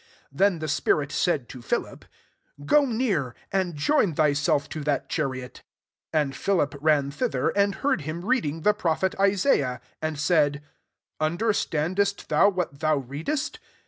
29 Then the spirit said to Philip, " Go near, and join thyself to that chariot." 30 And Philip ran thither, and heard him reading the prophet Isaiah, and said, " Understandest thou what thou readest